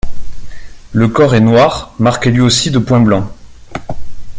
Le corps est noir, marqué lui aussi de points blancs.